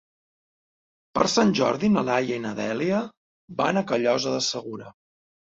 Per Sant Jordi na Laia i na Dèlia van a Callosa de Segura.